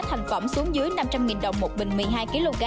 thành phẩm xuống dưới năm trăm linh đồng một bình một mươi hai kg